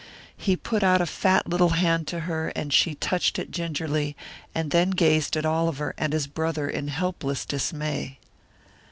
He put out a fat little hand to her, and she touched it gingerly, and then gazed at Oliver and his brother in helpless dismay.